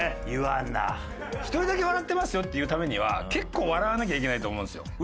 「１人だけ笑ってますよ」って言うためには結構笑わなきゃいけないと思うんですよ。